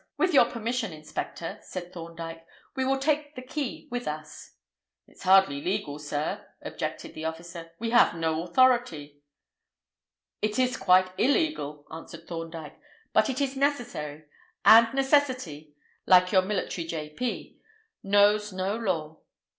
"With your permission, inspector," said Thorndyke, "we will take the key with us." "It's hardly legal, sir," objected the officer. "We have no authority." "It is quite illegal," answered Thorndyke; "but it is necessary; and necessity—like your military J.P.—knows no law."